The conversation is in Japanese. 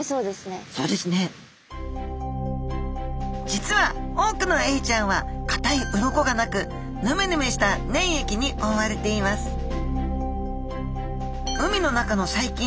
実は多くのエイちゃんはかたい鱗がなくヌメヌメした粘液に覆われていますさあ